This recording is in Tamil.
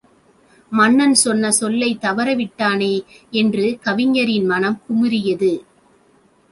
மன்னன் சொன்ன சொல்லைத் தவற விட்டானே என்று கவிஞரின் மனம் குமுறியது.